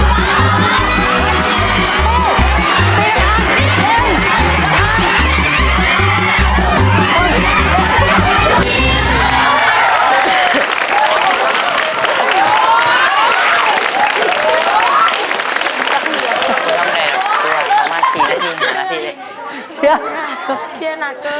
เชี้ยหนักเกิน